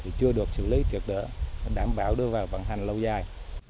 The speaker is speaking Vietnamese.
thì chưa được xử lý được nữa đảm bảo đưa vào vận hành lâu dài